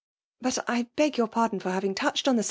Bat I heg yoar paxdin. for hami^ touehed on the.